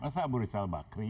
masa abu risal bakri